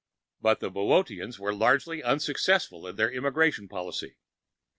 But the Boöteans were largely unsuccessful in their immigration policy.